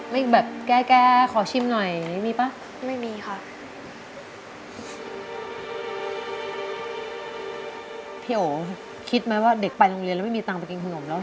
ไม่แบบแก้แก้ขอชิมหน่อยยังมีป่ะไม่มีค่ะ